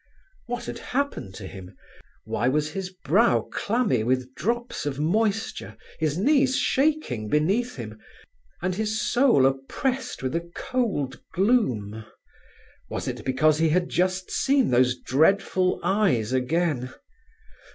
What had happened to him? Why was his brow clammy with drops of moisture, his knees shaking beneath him, and his soul oppressed with a cold gloom? Was it because he had just seen these dreadful eyes again?